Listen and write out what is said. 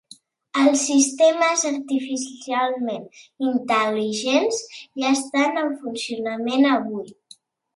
Els Sistemes artificialment intel·ligents ja estan en funcionament avui.